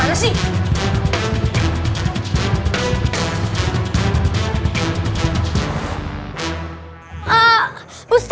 maju dikit maju dikit